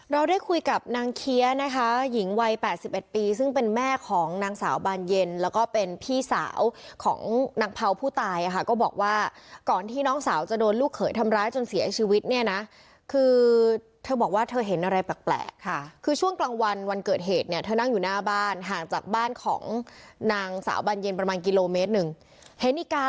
เราได้คุยกับนางเคี้ยนะคะหญิงวัย๘๑ปีซึ่งเป็นแม่ของนางสาวบานเย็นแล้วก็เป็นพี่สาวของนางเผาผู้ตายอ่ะค่ะก็บอกว่าก่อนที่น้องสาวจะโดนลูกเขยทำร้ายจนเสียชีวิตเนี่ยนะคือเธอบอกว่าเธอเห็นอะไรแปลกค่ะคือช่วงกลางวันวันเกิดเหตุเนี่ยเธอนั่งอยู่หน้าบ้านห่างจากบ้านของนางสาวบานเย็นประมาณกิโลเมตรหนึ่งเห็นอีกกา